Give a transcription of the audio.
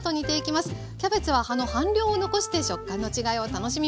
キャベツは葉の半量を残して食感の違いを楽しみます。